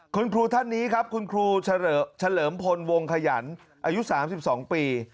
คุณครูท่านนี้ครับคุณครูเฉลิมพลวงขยันอายุ๓๒ปี